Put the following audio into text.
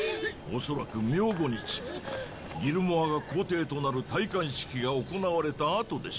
恐らく明後日ギルモアが皇帝となる戴冠式が行われたあとでしょう。